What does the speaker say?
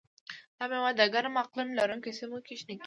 دا مېوه د ګرم اقلیم لرونکو سیمو کې شنه کېږي.